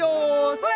それ！